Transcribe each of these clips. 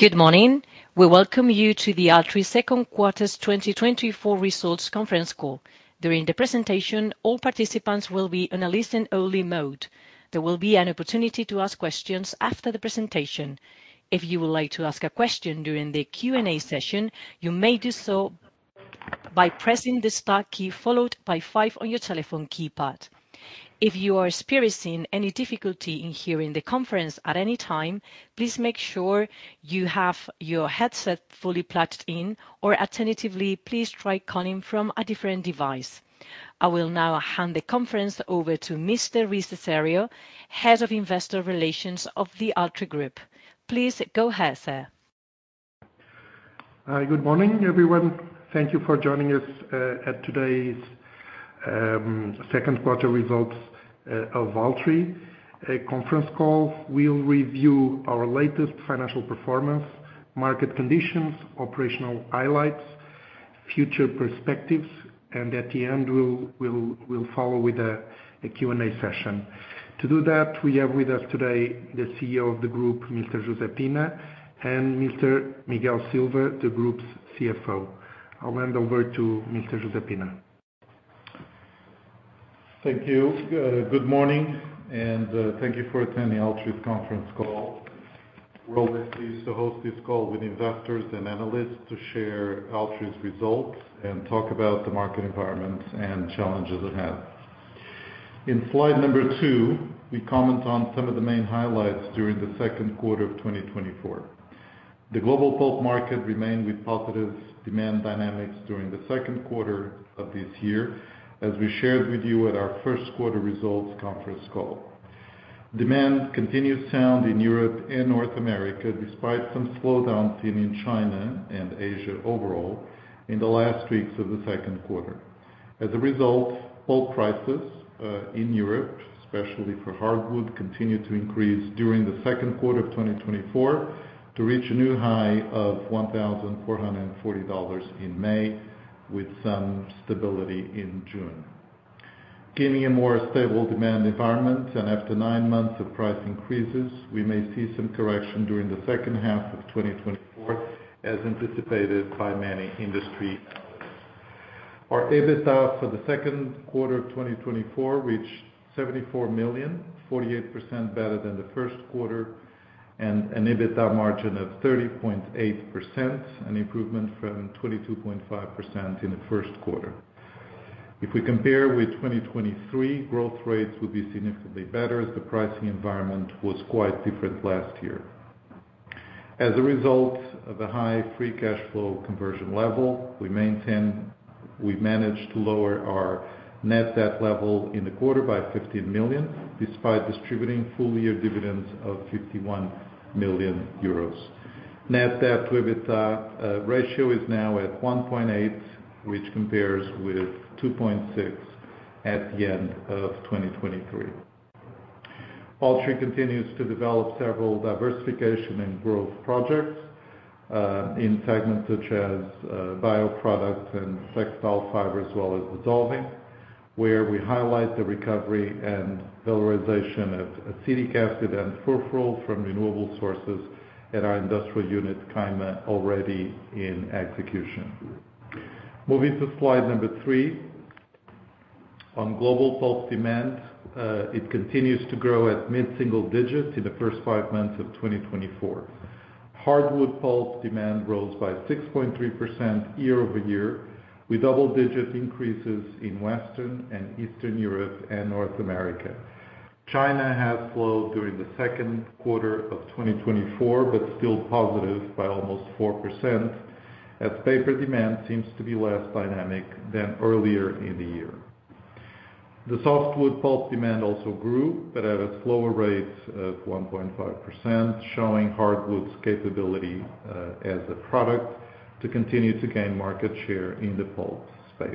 Good morning. We welcome you to the Altri Second Quarter 2024 Results Conference Call. During the presentation, all participants will be on a listen-only mode. There will be an opportunity to ask questions after the presentation. If you would like to ask a question during the Q&A session, you may do so by pressing the star key, followed by five on your telephone keypad. If you are experiencing any difficulty in hearing the conference at any time, please make sure you have your headset fully plugged in, or alternatively, please try calling from a different device. I will now hand the conference over to Mr. Rui Cesário, Head of Investor Relations of the Altri Group. Please go ahead, sir. Hi, good morning, everyone. Thank you for joining us at today's second quarter results of Altri. A conference call, we'll review our latest financial performance, market conditions, operational highlights, future perspectives, and at the end, we'll follow with a Q&A session. To do that, we have with us today the CEO of the group, Mr. José Pina, and Mr. Miguel Silva, the group's CFO. I'll hand over to Mr. José Pina. Thank you. Good morning, and thank you for attending Altri's conference call. We're obviously to host this call with investors and analysts to share Altri's results and talk about the market environment and challenges ahead. In slide number two, we comment on some of the main highlights during the second quarter of 2024. The global pulp market remained with positive demand dynamics during the second quarter of this year, as we shared with you at our first quarter results conference call. Demand continued sound in Europe and North America, despite some slowdown seen in China and Asia overall in the last weeks of the second quarter. As a result, pulp prices in Europe, especially for hardwood, continued to increase during the second quarter of 2024 to reach a new high of $1,440 in May, with some stability in June. Giving a more stable demand environment and after nine months of price increases, we may see some correction during the second half of 2024, as anticipated by many industry analysts. Our EBITDA for the second quarter of 2024 reached 74 million, 48% better than the first quarter, and an EBITDA margin of 30.8%, an improvement from 22.5% in the first quarter. If we compare with 2023, growth rates would be significantly better, as the pricing environment was quite different last year. As a result of the high free cash flow conversion level we maintain, we managed to lower our net debt level in the quarter by 15 million, despite distributing full-year dividends of 51 million euros. Net debt to EBITDA ratio is now at 1.8, which compares with 2.6 at the end of 2023. Altri continues to develop several diversification and growth projects in segments such as bioproducts and textile fiber, as well as dissolving, where we highlight the recovery and valorization of acetic acid and furfural from renewable sources at our industrial unit, Caima, already in execution. Moving to slide number three. On global pulp demand, it continues to grow at mid-single digits in the first five months of 2024. Hardwood pulp demand rose by 6.3% year-over-year, with double-digit increases in Western and Eastern Europe and North America. China has slowed during the second quarter of 2024, but still positive by almost 4%, as paper demand seems to be less dynamic than earlier in the year. The softwood pulp demand also grew, but at a slower rate of 1.5%, showing hardwood's capability as a product to continue to gain market share in the pulp space.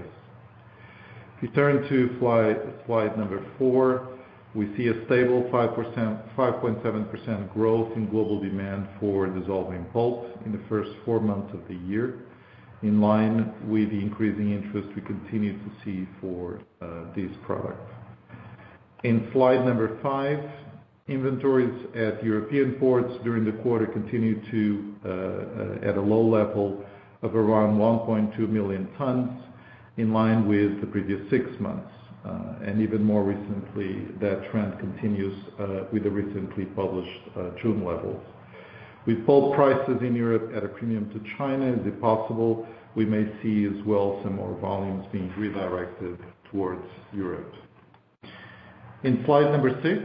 If you turn to slide, slide number four, we see a stable 5%–5.7% growth in global demand for dissolving pulp in the first four months of the year, in line with the increasing interest we continue to see for this product. In slide number five, inventories at European ports during the quarter continued to at a low level of around 1.2 million tons, in line with the previous six months. And even more recently, that trend continues with the recently published June levels. With pulp prices in Europe at a premium to China, is it possible we may see as well some more volumes being redirected towards Europe? In slide number six,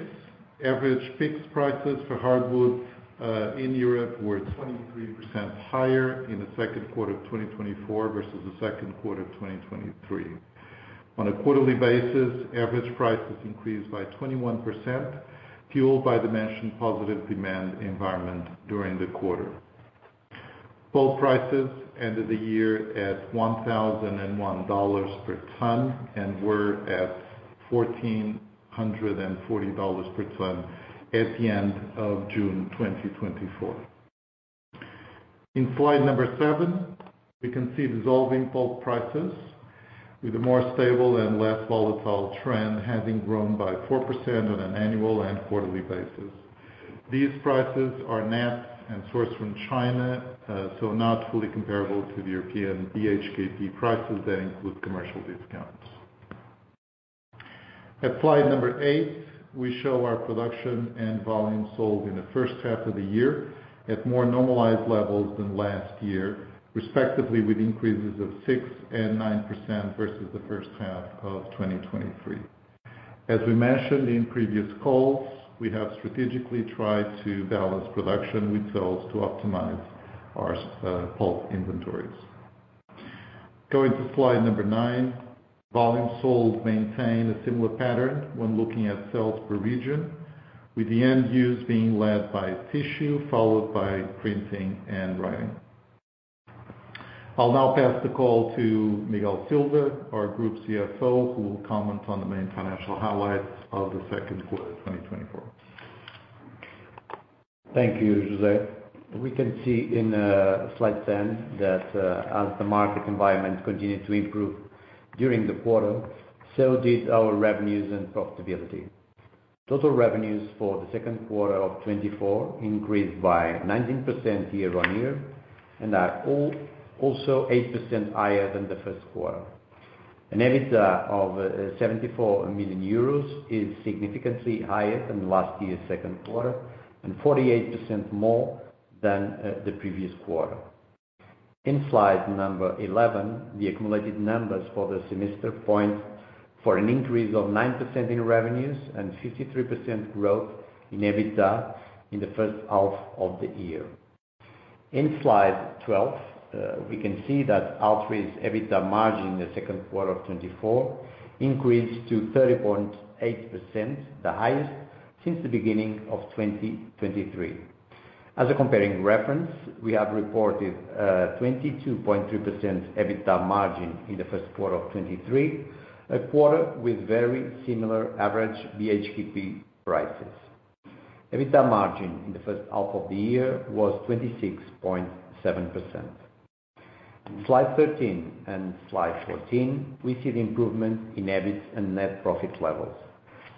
average PIX prices for hardwood in Europe were 23% higher in the second quarter of 2024 versus the second quarter of 2023. On a quarterly basis, average prices increased by 21%, fueled by the mentioned positive demand environment during the quarter. Pulp prices ended the year at $1,001 per ton and were at $1,440 per ton at the end of June 2024. In slide number seven, we can see dissolving pulp prices with a more stable and less volatile trend, having grown by 4% on an annual and quarterly basis. These prices are net and sourced from China, so not fully comparable to the European BHKP prices that include commercial discounts. At Slide eight, we show our production and volume sold in the first half of the year at more normalized levels than last year, respectively, with increases of 6% and 9% versus the first half of 2023. As we mentioned in previous calls, we have strategically tried to balance production with sales to optimize our pulp inventories. Going to Slide nine. Volume sold maintain a similar pattern when looking at sales per region, with the end use being led by tissue, followed by printing and writing. I'll now pass the call to Miguel Silva, our Group CFO, who will comment on the main financial highlights of the second quarter of 2024. Thank you, José. We can see in Slide 10 that as the market environment continued to improve during the quarter, so did our revenues and profitability. Total revenues for the second quarter of 2024 increased by 19% year-on-year, and are also 8% higher than the first quarter. An EBITDA of 74 million euros is significantly higher than last year's second quarter, and 48% more than the previous quarter. In slide 11, the accumulated numbers for the semester point to an increase of 9% in revenues and 53% growth in EBITDA in the first half of the year. In Slide 12, we can see that Altri's EBITDA margin in the second quarter of 2024 increased to 30.8%, the highest since the beginning of 2023. As a comparing reference, we have reported 22.3% EBITDA margin in the first quarter of 2023, a quarter with very similar average BHKP prices. EBITDA margin in the first half of the year was 26.7%. Slide 13 and Slide 14, we see the improvement in EBIT and net profit levels,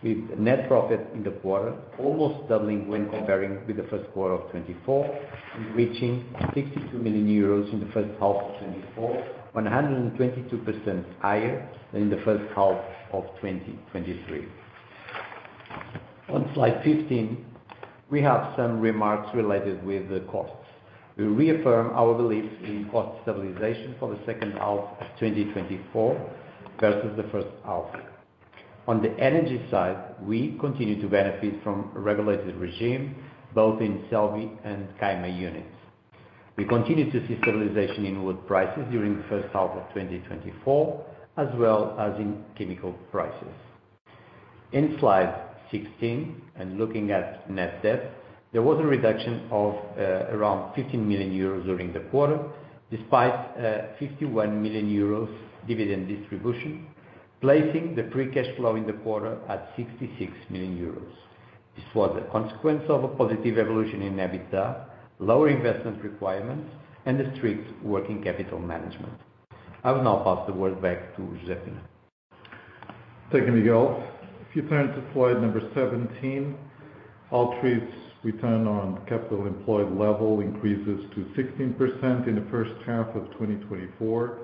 with net profit in the quarter almost doubling when comparing with the first quarter of 2024, and reaching 62 million euros in the first half of 2024, 122% higher than in the first half of 2023. On Slide 15, we have some remarks related with the costs. We reaffirm our belief in cost stabilization for the second half of 2024 versus the first half. On the energy side, we continue to benefit from a regulated regime, both in Celbi and Caima units. We continue to see stabilization in wood prices during the first half of 2024, as well as in chemical prices. In Slide 16, and looking at net debt, there was a reduction of around 15 million euros during the quarter, despite 51 million euros dividend distribution, placing the free cash flow in the quarter at 66 million euros. This was a consequence of a positive evolution in EBITDA, lower investment requirements, and a strict working capital management. I will now pass the word back to José Pina. Thank you, Miguel. If you turn to Slide 17, Altri's return on capital employed level increases to 16% in the first half of 2024,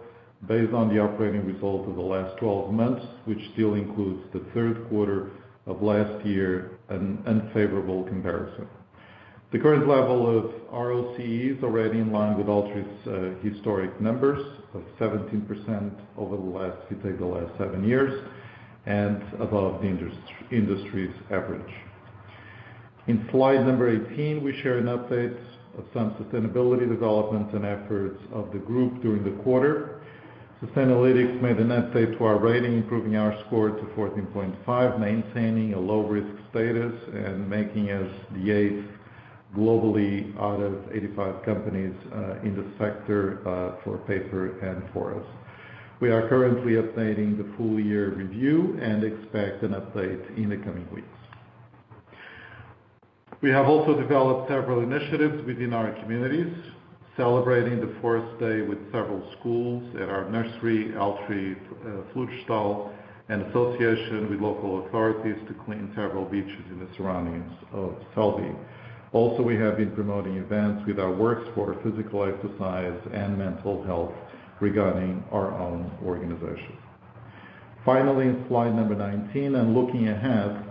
based on the operating results of the last 12 months, which still includes the third quarter of last year, an unfavorable comparison. The current level of ROCE is already in line with Altri's historic numbers of 17% over the last, if you take the last seven years, and above the industry's average. In Slide 18, we share an update of some sustainability developments and efforts of the group during the quarter. Sustainalytics made an update to our rating, improving our score to 14.5, maintaining a low-risk status and making us the eighth globally out of 85 companies in the sector for paper and forests. We are currently updating the full year review and expect an update in the coming weeks. We have also developed several initiatives within our communities, celebrating the Forest Day with several schools at our nursery, Altri Florestal, and association with local authorities to clean several beaches in the surroundings of Celbi. Also, we have been promoting events with our works for physical exercise and mental health regarding our own organization. Finally, in slide number 19 and looking ahead,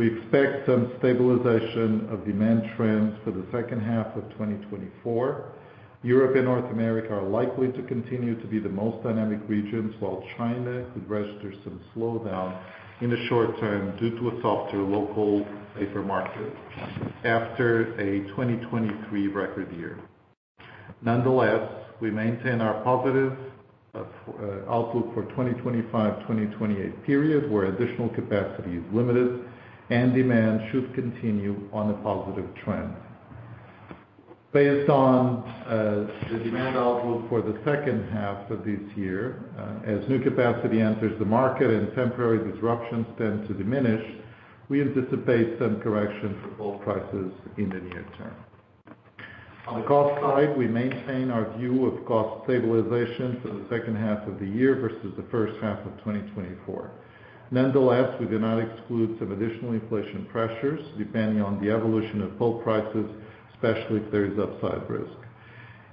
we expect some stabilization of demand trends for the second half of 2024. Europe and North America are likely to continue to be the most dynamic regions, while China could register some slowdown in the short term due to a softer local paper market after a 2023 record year. Nonetheless, we maintain our positive outlook for 2025-2028 period, where additional capacity is limited and demand should continue on a positive trend. Based on the demand outlook for the second half of this year, as new capacity enters the market and temporary disruptions tend to diminish, we anticipate some correction for pulp prices in the near term. On the cost side, we maintain our view of cost stabilization for the second half of the year versus the first half of 2024. Nonetheless, we do not exclude some additional inflation pressures, depending on the evolution of pulp prices, especially if there is upside risk.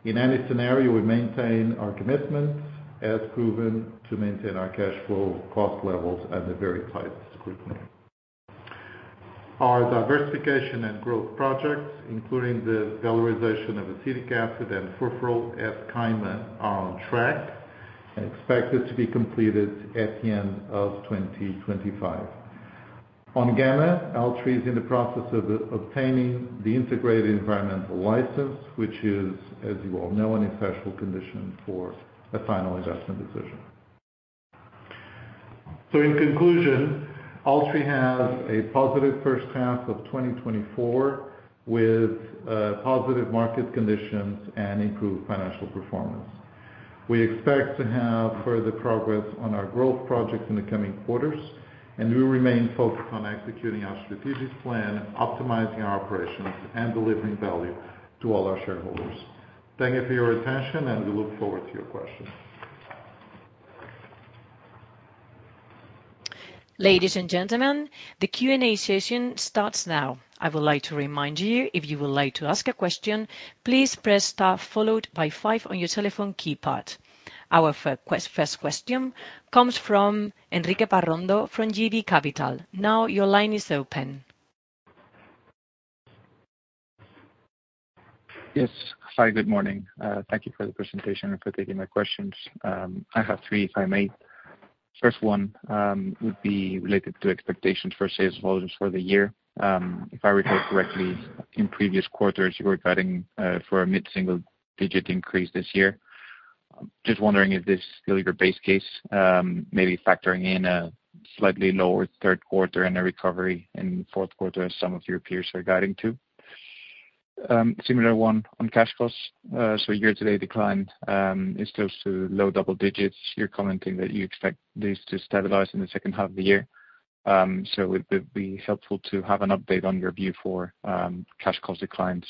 In any scenario, we maintain our commitment, as proven, to maintain our cash flow cost levels at a very tight scrutiny. Our diversification and growth projects, including the valorization of acetic acid and furfural at Caima, are on track and expected to be completed at the end of 2025. On Gama, Altri is in the process of obtaining the integrated environmental license, which is, as you all know, a special condition for a final investment decision. So in conclusion, Altri has a positive first half of 2024, with positive market conditions and improved financial performance. We expect to have further progress on our growth projects in the coming quarters, and we remain focused on executing our strategic plan, optimizing our operations, and delivering value to all our shareholders. Thank you for your attention, and we look forward to your questions. Ladies and gentlemen, the Q&A session starts now. I would like to remind you, if you would like to ask a question, please press star followed by five on your telephone keypad. Our first question comes from Enrique Parrondo from JB Capital. Now your line is open. Yes. Hi, good morning. Thank you for the presentation and for taking my questions. I have three, if I may. First one would be related to expectations for sales volumes for the year. If I recall correctly, in previous quarters, you were guiding for a mid-single digit increase this year. Just wondering if this is still your base case, maybe factoring in a slightly lower third quarter and a recovery in fourth quarter, as some of your peers are guiding, too. Similar one on cash costs. So year-to-date decline is close to low double digits. You're commenting that you expect this to stabilize in the second half of the year. It would be helpful to have an update on your view for cash cost declines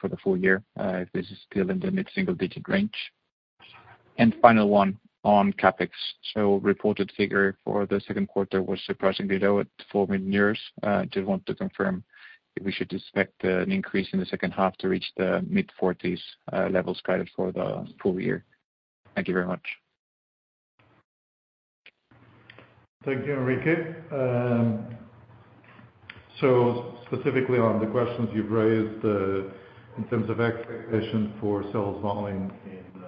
for the full year if this is still in the mid-single-digit range. Final one on CapEx. Reported figure for the second quarter was surprisingly low at 4 million euros. Just want to confirm if we should expect an increase in the second half to reach the mid-40s levels guided for the full year. Thank you very much. Thank you, Enrique. So specifically on the questions you've raised, in terms of expectation for sales volume in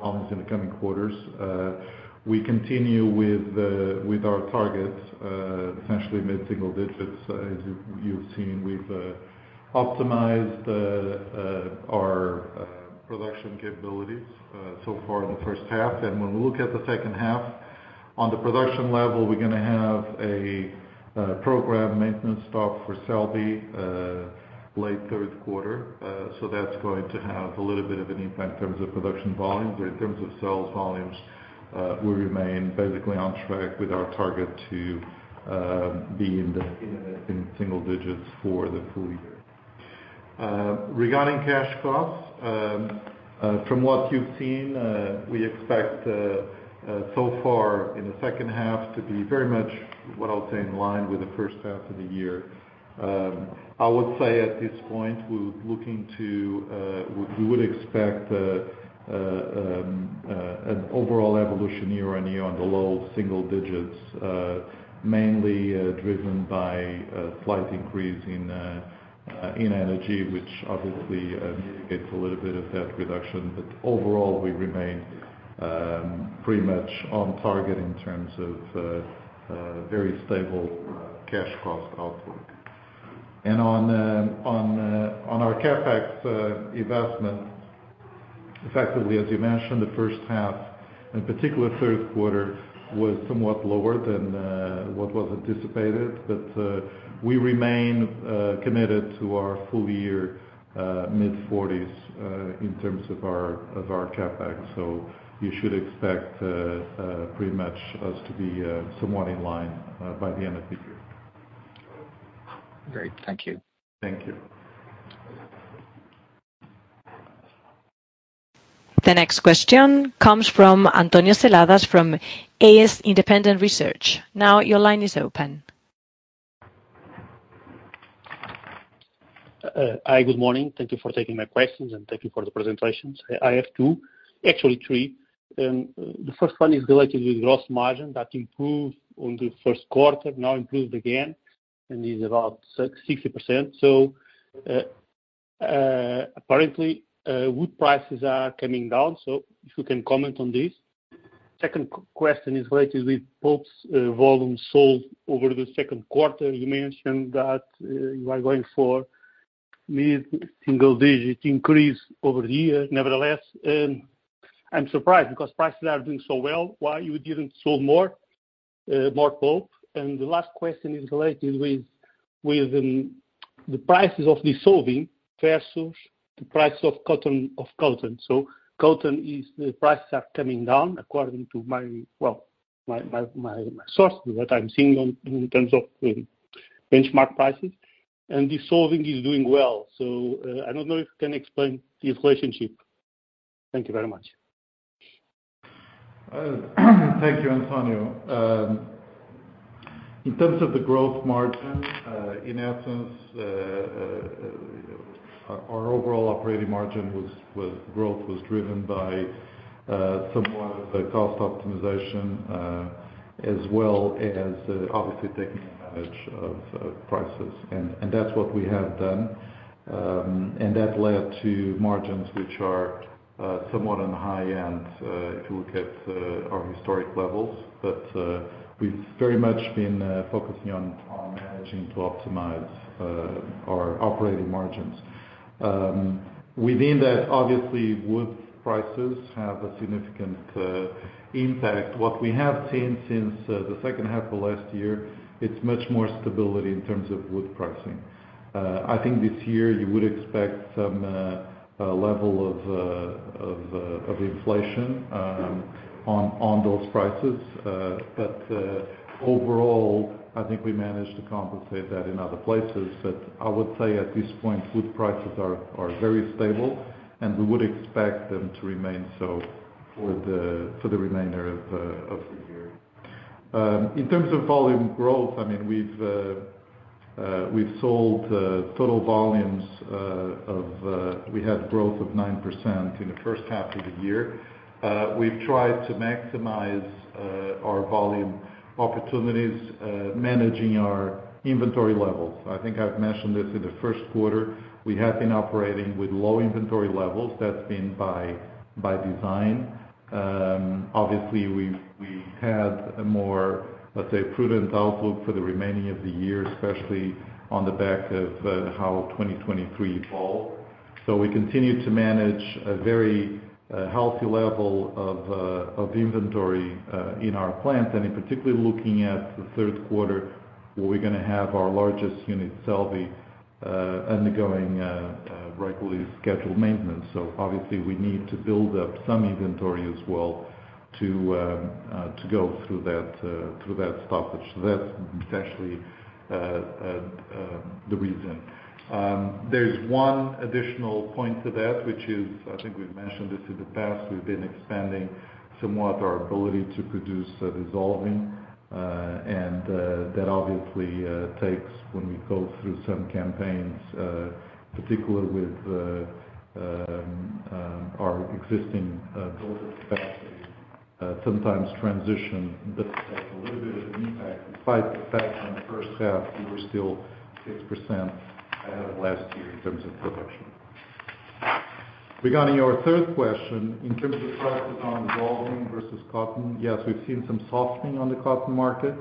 almost the coming quarters, we continue with with our targets, essentially mid-single digits. As you've seen, we've optimized our production capabilities so far in the first half. When we look at the second half, on the production level, we're gonna have a program maintenance stop for Celbi late third quarter. So that's going to have a little bit of an impact in terms of production volumes. In terms of sales volumes, we remain basically on track with our target to be in the mid-single digits for the full year. Regarding cash costs, from what you've seen, we expect, so far in the second half to be very much, what I'll say, in line with the first half of the year. I would say at this point, we're looking to, we would expect, an overall evolution year-on-year on the low single digits, mainly driven by a slight increase in energy, which obviously gets a little bit of that reduction. But overall, we remain pretty much on target in terms of very stable cash cost outlook. And on our CapEx investment, effectively, as you mentioned, the first half, in particular, third quarter, was somewhat lower than what was anticipated. But we remain committed to our full year mid-40s in terms of our CapEx. So you should expect pretty much us to be somewhat in line by the end of the year. Great. Thank you. Thank you. The next question comes from António Seladas from AS Independent Research. Now your line is open. Hi, good morning. Thank you for taking my questions, and thank you for the presentations. I have two, actually, three. The first one is related with gross margin that improved on the first quarter, now improved again, and is about 60%. So, apparently, wood prices are coming down, so if you can comment on this. Second question is related with pulp's volume sold over the second quarter. You mentioned that you are going for mid-single digit increase over the year. Nevertheless, I'm surprised because prices are doing so well, why you didn't sold more pulp? And the last question is related with the prices of dissolving versus the price of cotton. So cotton is, the prices are coming down according to my sources, well, what I'm seeing in terms of benchmark prices, and dissolving is doing well. So, I don't know if you can explain this relationship. Thank you very much. Thank you, António. In terms of the growth margin, in essence, our overall operating margin growth was driven by, somewhat of a cost optimization, as well as, obviously, taking advantage of, prices. And that's what we have done. And that led to margins which are, somewhat on the high end, if you look at, our historic levels. But, we've very much been, focusing on managing to optimize, our operating margins. Within that, obviously, wood prices have a significant, impact. What we have seen since, the second half of last year, it's much more stability in terms of wood pricing. I think this year you would expect some, a level of inflation, on those prices. But overall, I think we managed to compensate that in other places. But I would say at this point, wood prices are very stable, and we would expect them to remain so for the remainder of the year. In terms of volume growth, I mean, we've sold total volumes of we had growth of 9% in the first half of the year. We've tried to maximize our volume opportunities, managing our inventory levels. I think I've mentioned this in the first quarter. We have been operating with low inventory levels. That's been by design. Obviously, we had a more, let's say, prudent outlook for the remaining of the year, especially on the back of how 2023 evolved. So we continue to manage a very, healthy level of, of inventory, in our plants, and in particular looking at the third quarter, where we're gonna have our largest unit, Celbi, undergoing regularly scheduled maintenance. So obviously we need to build up some inventory as well to go through that, through that stoppage. So that's actually the reason. There's one additional point to that, which is, I think we've mentioned this in the past. We've been expanding somewhat our ability to produce dissolving and that obviously takes when we go through some campaigns, particularly with our existing capacity, sometimes transition that has a little bit of an impact, despite the fact that in the first half, we were still 6% ahead of last year in terms of production. Regarding your third question, in terms of the prices on dissolving versus cotton, yes, we've seen some softening on the cotton market,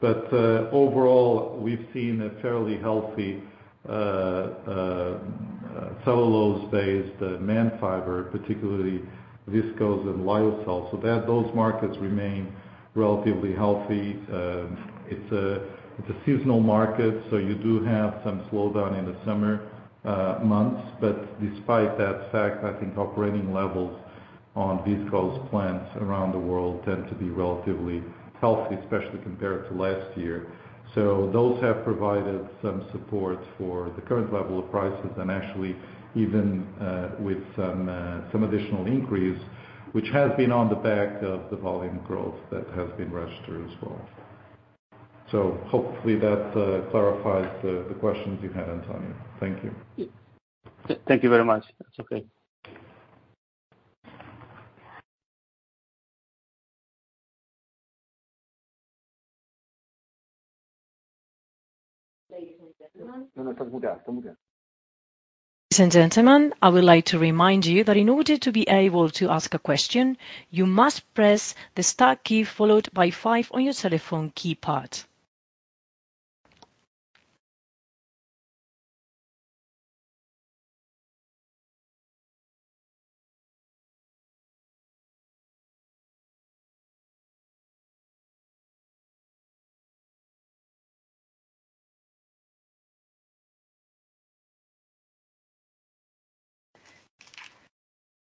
but overall, we've seen a fairly healthy cellulose-based man-made fiber, particularly viscose and lyocell. So that those markets remain relatively healthy. It's a seasonal market, so you do have some slowdown in the summer months. But despite that fact, I think operating levels on viscose plants around the world tend to be relatively healthy, especially compared to last year. So those have provided some support for the current level of prices and actually even with some additional increase, which has been on the back of the volume growth that has been registered as well. So hopefully that clarifies the questions you had, António. Thank you. Thank you very much. That's okay. Ladies and gentlemen- No, no. Ladies and gentlemen, I would like to remind you that in order to be able to ask a question, you must press the star key, followed by five on your telephone keypad.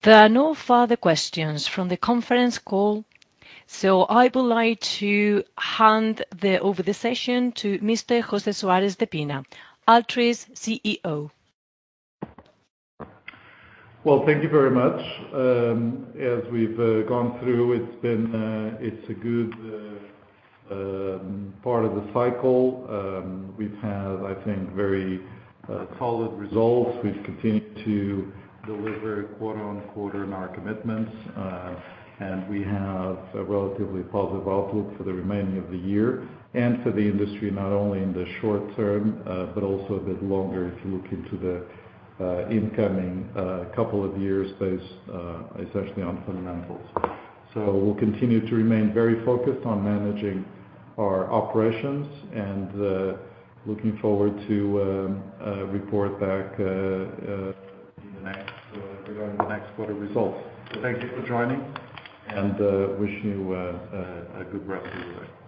There are no further questions from the conference call, so I would like to hand over the session to Mr. José Soares de Pina, Altri's CEO. Well, thank you very much. As we've gone through, it's been, it's a good part of the cycle. We've had, I think, very solid results. We've continued to deliver quarter on quarter in our commitments, and we have a relatively positive outlook for the remaining of the year and for the industry, not only in the short term, but also a bit longer, if you look into the incoming couple of years, based essentially on fundamentals. So we'll continue to remain very focused on managing our operations, and looking forward to report back in the next regarding the next quarter results. So thank you for joining, and wish you a good rest of the day.